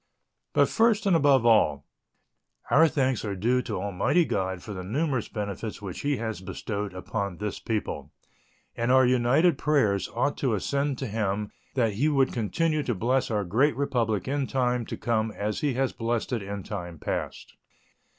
But first and above all, our thanks are due to Almighty God for the numerous benefits which He has bestowed upon this people, and our united prayers ought to ascend to Him that He would continue to bless our great Republic in time to come as He has blessed it in time past.